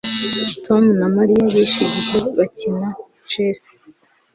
Tom na Mariya bishe igihe bakina chess